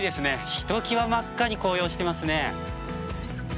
ひときわ真っ赤に紅葉してますね。